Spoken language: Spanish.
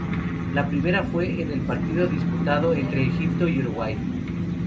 La primera fue en el partido disputado entre Egipto y Uruguay.